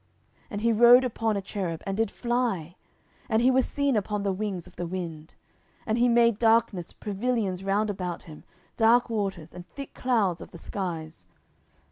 10:022:011 And he rode upon a cherub, and did fly: and he was seen upon the wings of the wind. 10:022:012 And he made darkness pavilions round about him, dark waters, and thick clouds of the skies.